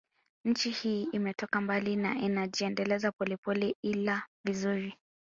Nchi hii imetoka mbali na inajiendeleza polepole ila vizuri